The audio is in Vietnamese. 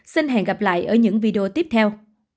xin hẹn gặp lại ở những video tiếp theo